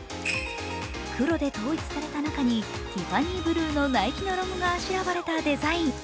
黒で統一された中にティファニーブルーのナイキのロゴがあしらわれたデザイン。